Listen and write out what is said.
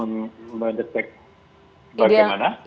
kita akan mendetek bagaimana